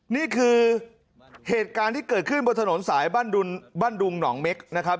นี่คือเหตุการณ์ที่เกิดขึ้นบนถนนสายบ้านดุงหนองเม็กนะครับ